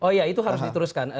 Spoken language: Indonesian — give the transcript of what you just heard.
oh ya itu harus diteruskan